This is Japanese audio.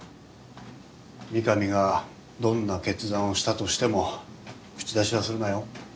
御神がどんな決断をしたとしても口出しはするなよ。